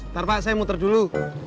ntar pak saya muter dulu